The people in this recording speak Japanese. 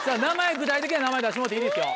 具体的な名前出してもろうていいですよ。